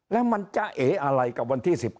แล้วมันจะเออะไรกับวันที่๑๕